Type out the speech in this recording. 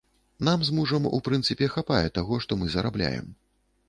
Нам з мужам, у прынцыпе, хапае таго, што мы зарабляем.